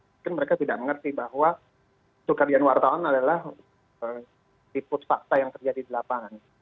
mungkin mereka tidak mengerti bahwa pekerjaan wartawan adalah liput fakta yang terjadi di lapangan